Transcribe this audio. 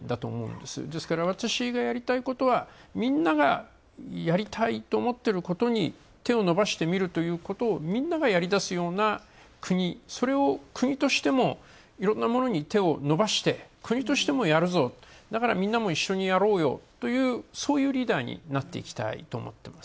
ですから、私がやりたいことはみんながやりたいと思ってることに手を伸ばしてみるっていうことをみんながやりだすような国、それを国としてもいろんなものに手を伸ばして国としてもやるぞって、だから、みんなも一緒にやろうよっていう、そういうリーダーになっていきたいと思ってます。